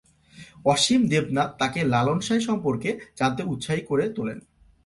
অসীম দেবনাথ তাকে লালন সাঁই সম্পর্কে জানতে উৎসাহী করে তোলেন।